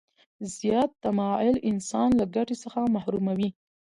زیات تماعل انسان له ګټې څخه محروموي.